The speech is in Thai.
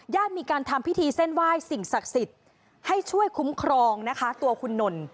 มีการทำพิธีเส้นไหว้สิ่งศักดิ์สิทธิ์ให้ช่วยคุ้มครองนะคะตัวคุณนน